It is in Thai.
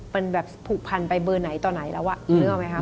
มันแบบผูกพันไปเบอร์ไหนต่อไหนแล้วนึกออกไหมคะ